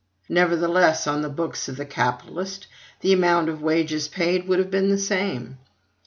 Nevertheless, on the books of the capitalist, the amount of wages paid would have been the same.